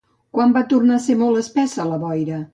Quan va tornar a ser molt espessa la boira?